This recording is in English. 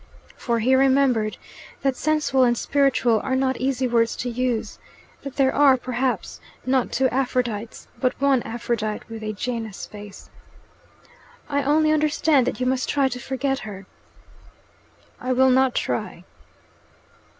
For he remembered that sensual and spiritual are not easy words to use; that there are, perhaps, not two Aphrodites, but one Aphrodite with a Janus face. "I only understand that you must try to forget her." "I will not try."